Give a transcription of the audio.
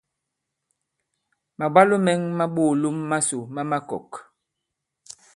Màbwalo mɛ̄ŋ ma ɓoòlom masò ma makɔ̀k.